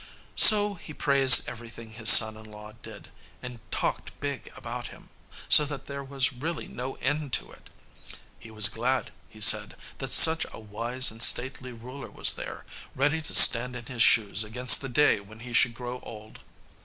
So he praised everything his son in law did, and talked big about him, so that there was really no end to it. He was glad, he said, that such a wise and stately ruler was there, ready to stand in his shoes against the day when he should grow old.